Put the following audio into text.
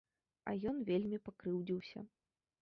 І ён вельмі пакрыўдзіўся.